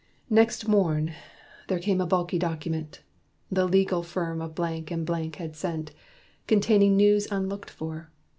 Next morn there came a bulky document, The legal firm of Blank & Blank had sent, Containing news unlooked for.